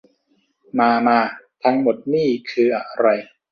มา มา ทั้งหมดนี่คืออะไร